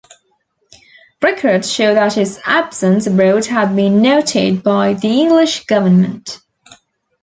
Records show that his absence abroad had been noted by the English government.